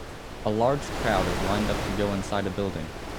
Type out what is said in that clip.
A large crowd is lined up to go inside a building